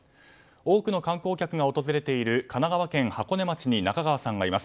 多くの観光客が訪れている神奈川県箱根町に中川さんがいます。